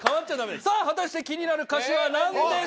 さあ果たして気になる歌詞はなんでしょう？